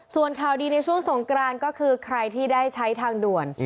ส่วนข่าวดีในช่วงสงกรานก็คือใครที่ได้ใช้ทางด่วน